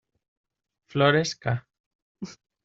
Flores ca.